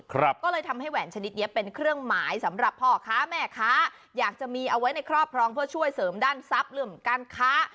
ก็เลยทำให้แหวนชนิดเนี้ยเป็นเครื่องหมายสำหรับพ่อค้าแม่ค้าอยากจะมีเอาไว้ในครอบครองเพื่อช่วยเสริมด้านทรัพย์เรื่องการค้า